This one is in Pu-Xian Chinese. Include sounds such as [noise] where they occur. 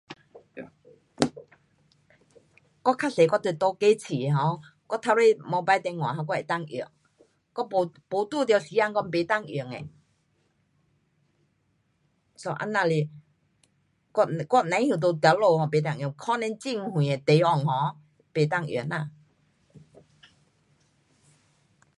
[noise] 我较多我是在市区的 um 我每次 mobile 电话我可以用。我没没遇到时间我不能用的。so 这样是我，我不知在哪里不能用。可能很远的地方 um 不能用哪。